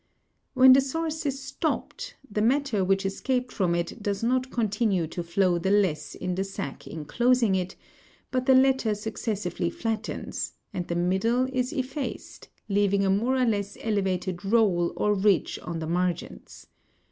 When the source is stopped, the matter which escaped from it does not continue to flow the less in the sack enclosing it, but the latter successively flattens, and the middle is effaced, leaving a more or less elevated roll or ridge on the margins.